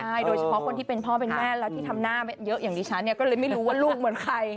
ใช่โดยเฉพาะคนที่เป็นพ่อเป็นแม่แล้วที่ทำหน้าเยอะอย่างดิฉันเนี่ยก็เลยไม่รู้ว่าลูกเหมือนใคร